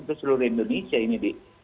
di seluruh indonesia ini